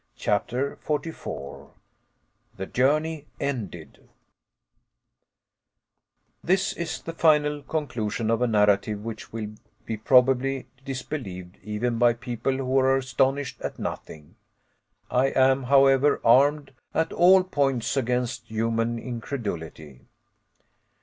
CHAPTER 44 THE JOURNEY ENDED This is the final conclusion of a narrative which will be probably disbelieved even by people who are astonished at nothing. I am, however, armed at all points against human incredulity.